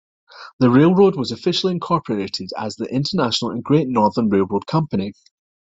The railroad was officially incorporated as the International and Great Northern Railroad Company.